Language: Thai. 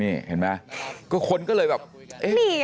เห็นไหมก็คนก็เลยแบบ